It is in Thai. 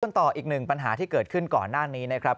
ต่ออีกหนึ่งปัญหาที่เกิดขึ้นก่อนหน้านี้นะครับ